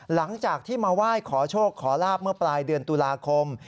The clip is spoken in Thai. หลังจากที่มาไหว้ขอโชคขอลาบเมื่อปลายเดือนตุลาคม